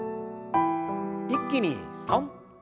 一気にすとん。